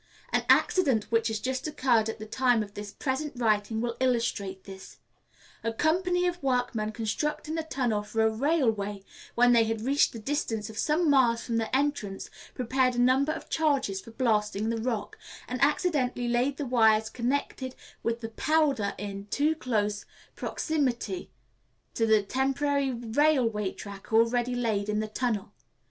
An accident which has just occurred at the time of this present writing will illustrate this. A company of workmen constructing a tunnel for a railway, when they had reached the distance of some miles from the entrance, prepared a number of charges for blasting the rock, and accidentally laid the wires connected with the powder in too close proximity to the temporary railway track already laid in the tunnel.